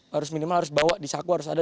harus minimal harus bawa disaku harus ada